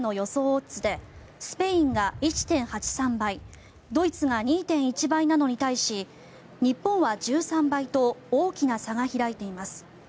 オッズでスペインが１．８３倍ドイツが２．１倍なのに対し日本は１３倍と大きな差が開いています。